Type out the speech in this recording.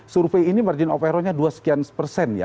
survei ini margin of errornya dua sekian persen ya